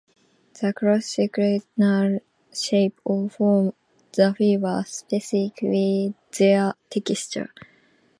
The cross sectional shape or form of the fibers specifies their texture.